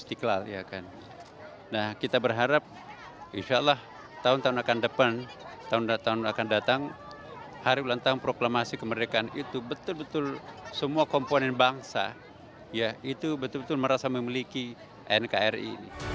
setelah tahun tahun akan depan tahun tahun akan datang hari bulan tahun proklamasi kemerdekaan itu betul betul semua komponen bangsa ya itu betul betul merasa memiliki nkri